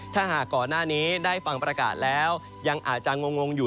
ถ้าหากก่อนหน้านี้ได้ฟังประกาศแล้วยังอาจจะงงอยู่